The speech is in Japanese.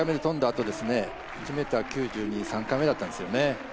あと１ｍ９２、３回目だったんですよね。